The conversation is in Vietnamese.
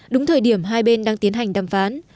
đúng thời điểm hai bên đang tiến hành đàm phán